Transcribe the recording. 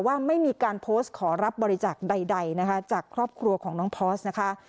ว่าไม่มีการโพสต์ขอรับบริจาคใดนะคะจากครอบครัวของน้องพอร์สนะคะ